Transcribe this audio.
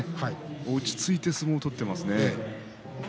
落ち着いて相撲を取っていますね。